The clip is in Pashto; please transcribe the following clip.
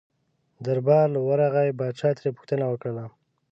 دربار له ورغی پاچا ترې پوښتنه وکړله.